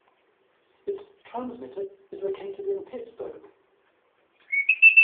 Its transmitter is located in Pittsburgh.